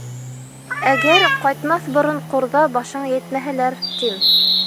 Әгәр ҡайтмаҫ борон Ҡорҙа башыңа етмәһәләр, тим.